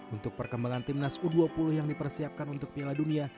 untuk perkembangan timnas u dua puluh yang dipersiapkan untuk piala dunia